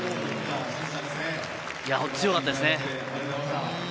本当に強かったですね。